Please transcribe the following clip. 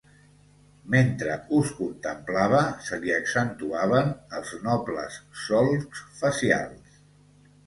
Mentre us contemplava se li accentuaven els nobles solcs facials